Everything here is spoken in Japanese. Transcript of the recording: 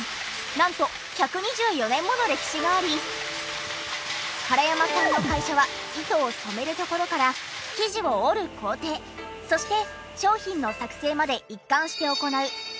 なんと１２４年もの歴史があり原山さんの会社は糸を染めるところから生地を織る工程そして商品の作製まで一環して行う。